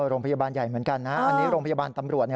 โรงพยาบาลใหญ่เหมือนกันนะอันนี้โรงพยาบาลตำรวจ